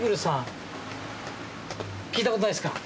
聞いたことないですか？